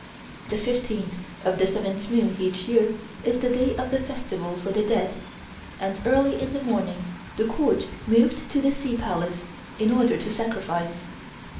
The fifteenth of the seventh moon each year is the day of the festival for the dead, and early in the morning the Court moved to the Sea Palace in order to sacrifice.